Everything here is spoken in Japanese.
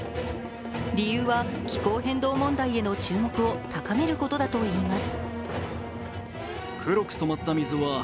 理由は気候変動問題への注目を高めることだといいます。